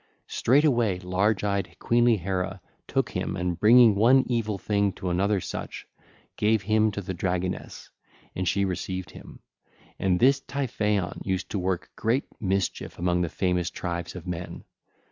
Straightway large eyed queenly Hera took him and bringing one evil thing to another such, gave him to the dragoness; and she received him. And this Typhaon used to work great mischief among the famous tribes of men.